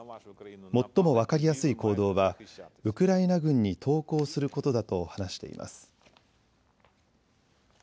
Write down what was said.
最も分かりやすい行動はウクライナ軍に投降することだと話しています。